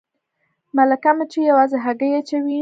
ملکه مچۍ یوازې هګۍ اچوي